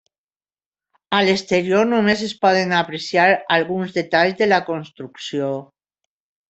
A l'exterior només es poden apreciar alguns detalls de la construcció.